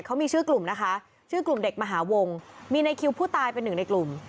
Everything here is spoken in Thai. เขามีชื่อกลุ่มนะคะชื่อกลุ่มเด็กมหาวงมีในคิวผู้ตายเป็นหนึ่งในกลุ่ม